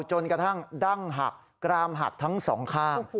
จนกระทั่งดั้งหักกรามหักทั้งสองข้าง